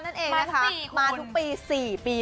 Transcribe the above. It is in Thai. นั่นเองมาทุกปี๔ปี